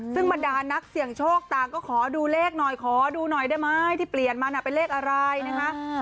ซึ่งบรรดานักเสี่ยงโชคต่างก็ขอดูเลขหน่อยขอดูหน่อยได้ไหมที่เปลี่ยนมาน่ะเป็นเลขอะไรนะคะ